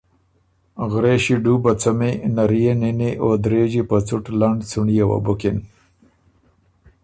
غرېݭی ډوبه څمی، نريے نِنی او درېجی په څُټ لنډ څُنړيې وه بُکِن۔